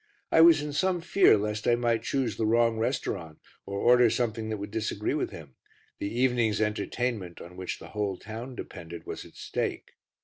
I was in some fear lest I might choose the wrong restaurant or order something that would disagree with him; the evening's entertainment, on which the whole town depended, was at stake.